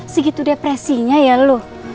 segitu depresinya ya lu